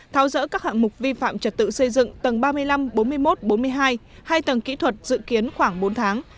tháo rỡ các hạng mục vi phạm trật tự xây dựng tầng ba mươi năm bốn mươi một bốn mươi hai hai tầng kỹ thuật dự kiến khoảng bốn tháng